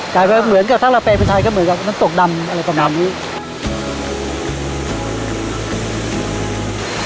เหมือนกับถ้าเราแปลเป็นไทยก็เหมือนกับน้ำตกดำอะไรประมาณนี้